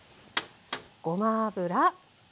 ごま油。